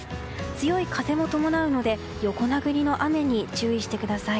強い風も伴うので横殴りの雨に注意してください。